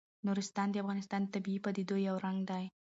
نورستان د افغانستان د طبیعي پدیدو یو رنګ دی.